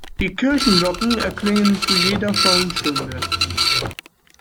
Die Kirchenglocken erklingen zu jeder vollen Stunde.